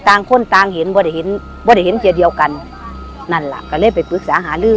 ต่างคนต่างเห็นว่าได้เห็นว่าได้เห็นเกียร์เดียวกันนั่นแหละก็เลยไปปรึกษาหาลือ